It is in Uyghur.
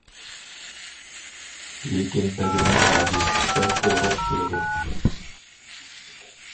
لېكىن بەدىنى ئاجىز، بەك ئورۇق كېلىدۇ.